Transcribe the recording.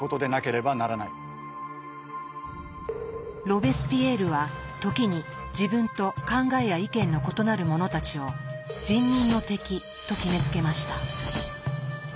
ロベスピエールは時に自分と考えや意見の異なる者たちを「人民の敵」と決めつけました。